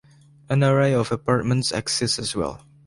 An array of apartments exists as well.